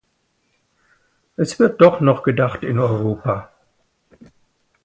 Es wird doch noch gedacht in Europa!